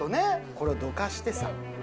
これをどかしてさ